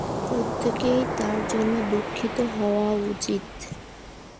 প্রত্যেকেরই তার জন্য দুঃখিত হওয়া উচিত।